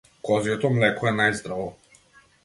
Козјото млеко е најздраво.